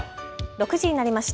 ６時になりました。